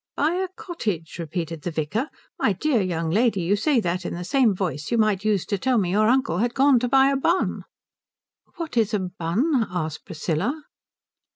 "Buy a cottage?" repeated the vicar. "My dear young lady, you say that in the same voice you might use to tell me your uncle had gone to buy a bun." "What is a bun?" asked Priscilla.